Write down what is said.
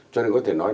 cho nên có thể nói